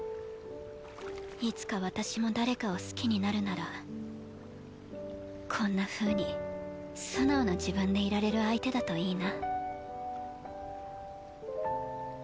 いつか私も誰かを好きになるならこんなふうに素直な自分でいられる相手だといいな。